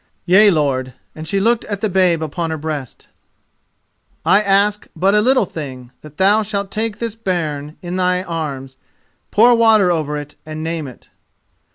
"Yea, lord," and she looked at the babe upon her breast. "I ask but a little thing: that thou shalt take this bairn in thy arms, pour water over it and name it."